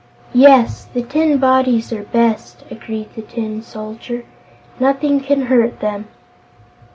"Yes, the tin bodies are best," agreed the Tin Soldier. "Nothing can hurt them."